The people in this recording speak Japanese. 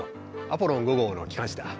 アポロン５号の機関士だ。